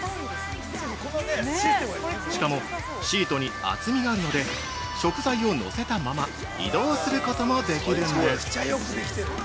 しかも、シートに厚みがあるので食材をのせたまま移動することもできるんです◆